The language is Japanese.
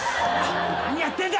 何やってんだ。